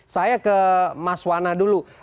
saya ke mas wana dulu